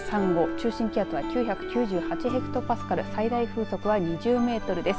中心気圧９９８ヘクトパスカル最大風速は２０メートルです。